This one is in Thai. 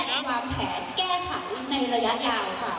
บรรเทาผลพบและอาวามแผนแก้ไขในระยะยาวค่ะ